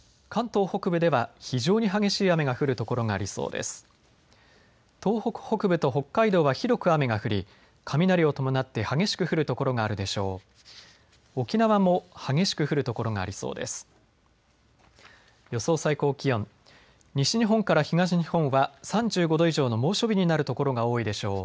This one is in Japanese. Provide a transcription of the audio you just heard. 東北北部と北海道は広く雨が降り雷を伴って激しく降る所があるでしょう。